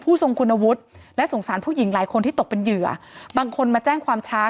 ทรงคุณวุฒิและสงสารผู้หญิงหลายคนที่ตกเป็นเหยื่อบางคนมาแจ้งความช้า